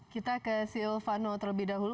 kita ke silvano terlebih dahulu